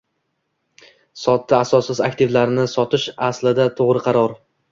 sotdi Asossiz aktivlarni sotish aslida to'g'ri qaror